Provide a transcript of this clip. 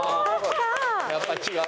やっぱ違う。